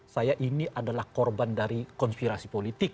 saya ini adalah korban dari konspirasi politik